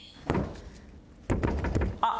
あっ。